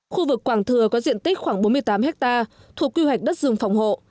khu vực quảng thừa có diện tích khoảng bốn mươi tám hectare thuộc quy hoạch đất dùng phòng hộ